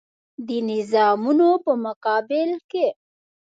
د نظامونو په مقابل کې.